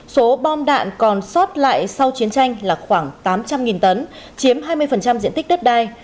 số bom đạn còn sót lại sau chiến tranh là khoảng tám trăm linh tấn chiếm hai mươi diện tích đất đai